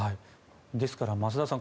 ですから増田さん